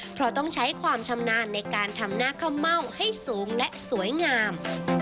เพราะต้องใช้ความชำนาญในการทำหน้าข้าวเม่าให้สูงและสวยงาม